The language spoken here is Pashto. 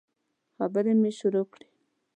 خبري مي شروع کړې !